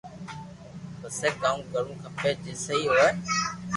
مپسي ڪاو ڪروُ کپي جي سھي ھوئي